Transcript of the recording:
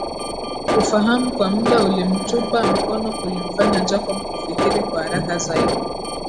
Ufahamu kwa muda ulimtupa mkono kulimfanya Jacob kufikiri kwa haraka zaidi